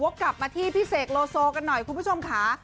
กลับมาที่พี่เสกโลโซกันหน่อยคุณผู้ชมค่ะ